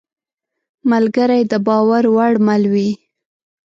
ملګری د باور وړ مل وي.